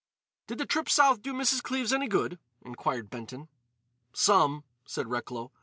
"Did the trip South do Mrs. Cleves any good?" inquired Benton. "Some," said Recklow.